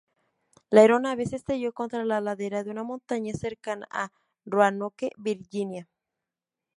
La aeronave se estrelló contra la ladera de una montaña cercana a Roanoke, Virginia.